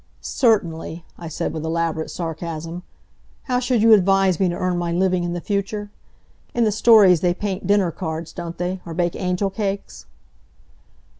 "Certainly," I said, with elaborate sarcasm. "How should you advise me to earn my living in the future? In the stories they paint dinner cards, don't they? or bake angel cakes?"